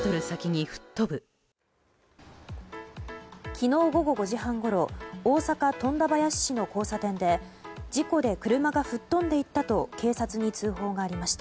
昨日午後５時半ごろ大阪・富田林市の交差点で事故で車が吹っ飛んでいったと警察に通報がありました。